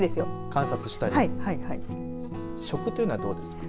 観察したり食というのは、どうですか。